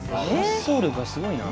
発想力がすごいな。